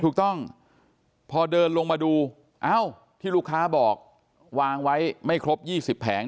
ถูกต้องพอเดินลงมาดูเอ้าที่ลูกค้าบอกวางไว้ไม่ครบ๒๐แผง